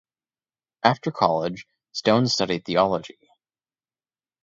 After college, Stone studied theology.